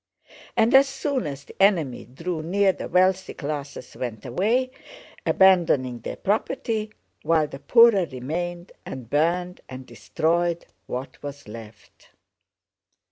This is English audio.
And as soon as the enemy drew near the wealthy classes went away abandoning their property, while the poorer remained and burned and destroyed what was left.